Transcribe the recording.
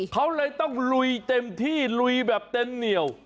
เขาเลยต้องลุยเต็มที่ลุยแบบเต็มเหนียว